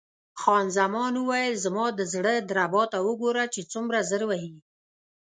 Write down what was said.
خان زمان وویل: زما د زړه دربا ته وګوره چې څومره زر وهي.